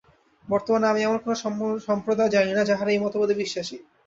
বর্তমানে আমি এমন কোন সম্প্রদায় জানি না, যাঁহারা এই মতবাদে বিশ্বাসী।